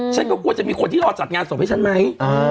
ฉันก็ควรจะมีคนที่รอจัดงานศพให้ฉันไหม